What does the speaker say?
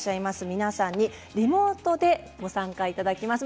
皆さんにリモートでご参加いただきます。